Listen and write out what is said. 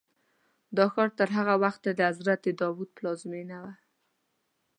دا ښار تر هغه وخته د حضرت داود پلازمینه وه.